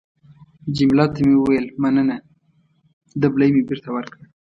جميله ته مې وویل: مننه. دبلی مې بېرته ورکړ.